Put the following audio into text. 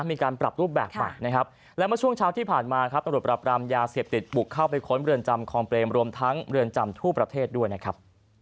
มีการปรับรูปแบบใหม่นะครับและเมื่อช่วงเช้าที่ผ่านมาครับตำรวจปรับรามยาเสพติดบุกเข้าไปค้นเรือนจำคลองเปรมรวมทั้งเรือนจำทั่วประเทศด้วยนะครับ